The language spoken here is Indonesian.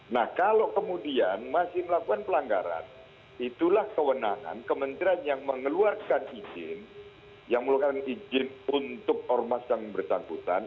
nah kalau kemudian masih melakukan pelanggaran itulah kewenangan kementerian yang mengeluarkan izin yang mengeluarkan izin untuk ormas yang bersangkutan